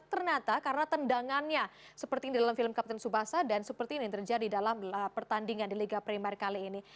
ternyata karena tendangannya seperti di dalam film kapten subasa dan seperti ini yang terjadi dalam pertandingan di liga primer kali ini